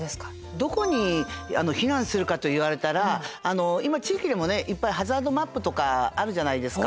どこに避難するかと言われたら今地域でもねいっぱいハザードマップとかあるじゃないですか。